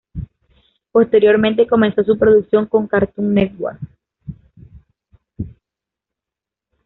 Posteriormente comenzó su producción con Cartoon Network.